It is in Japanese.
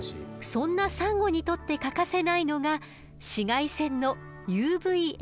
そんなサンゴにとって欠かせないのが紫外線のＵＶーＡ。